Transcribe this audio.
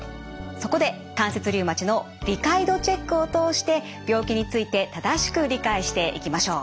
そこで関節リウマチの理解度チェックを通して病気について正しく理解していきましょう。